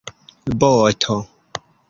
boto